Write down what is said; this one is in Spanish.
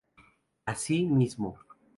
Así mismo.